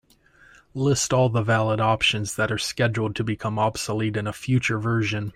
List all the valid options that are scheduled to become obsolete in a future version.